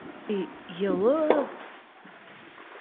Өй йылы.